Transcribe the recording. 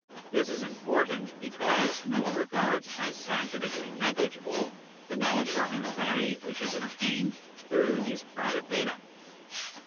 This is important, because no one regards as scientifically negligible the knowledge of our own body which is obtained through these private data.